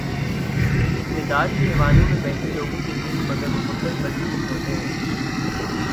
اقتدار کے ایوانوں میں بیٹھے لوگوں کے دل، مگر بہت مضبوط ہوتے ہیں۔